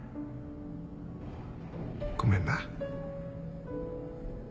ごめんな。